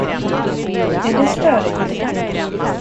Är det störigt?